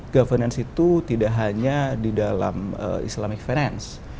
governance itu tidak hanya di dalam islamic finance